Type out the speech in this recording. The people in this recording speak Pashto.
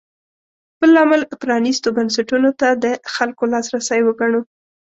بل لامل پرانېستو بنسټونو ته د خلکو لاسرسی وګڼو.